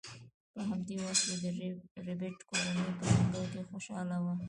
په همدې وخت کې د ربیټ کورنۍ په ځنګل کې خوشحاله وه